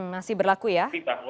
masih berlaku ya